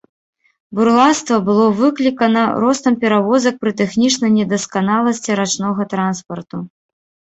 Бурлацтва было выклікана ростам перавозак пры тэхнічнай недасканаласці рачнога транспарту.